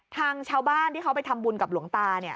ทางชาวบ้านที่เขาไปทำบุญกับหลวงตา